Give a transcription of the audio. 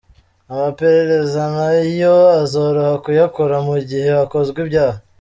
Amaperereza nayo azoroha kuyakora mu gihe hakozwe ibyaha.